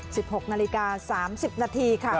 หกนาฬิกาสามสิบนาทีค่ะ